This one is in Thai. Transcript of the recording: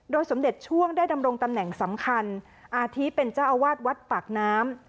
สมเด็จช่วงได้ดำรงตำแหน่งสำคัญอาทิตเป็นเจ้าอาวาสวัดปากน้ำ